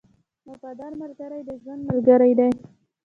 • وفادار ملګری د ژوند ملګری دی.